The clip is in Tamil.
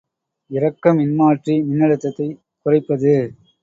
இறக்க மின்மாற்றி மின்னழுத்தத்தைக் குறைப்பது.